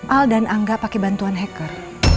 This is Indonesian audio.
al dan angga pakai bantuan hacker